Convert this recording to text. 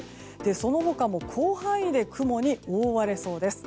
その他も広範囲で雲に覆われそうです。